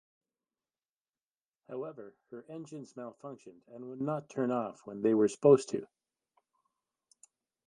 However, her engines malfunctioned and would not turn off when they were supposed to.